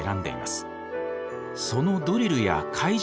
そのドリルや会場